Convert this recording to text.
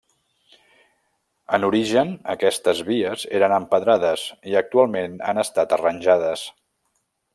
En origen aquestes vies eren empedrades i actualment han estat arranjades.